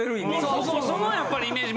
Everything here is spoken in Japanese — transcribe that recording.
・そうそう・そのやっぱりイメージ。